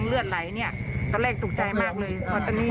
มึงจะไปดีมึงจะตายตรงนี้